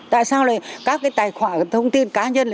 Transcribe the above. tại sao lại các cái tài khoản thông tin cá nhân